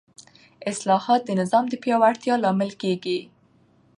اصلاحات د نظام د پیاوړتیا لامل کېږي